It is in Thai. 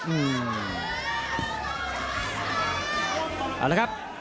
เอาละครับ